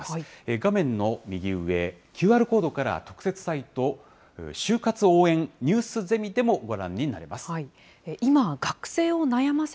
画面の右上、ＱＲコードから特設サイト、就活応援ニュースゼミでもご覧になれます。